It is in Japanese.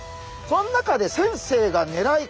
その中で先生がねらい